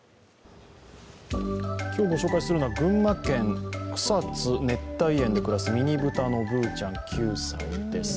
今日ご紹介するのは群馬県草津熱帯園で暮らすミニブタのぶーちゃん９歳です。